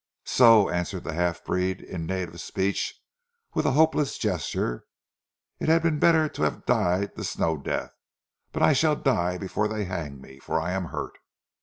"So!" answered the half breed in native speech, with a hopeless gesture, "It had been better to have died the snow death, but I shall die before they hang me, for I am hurt."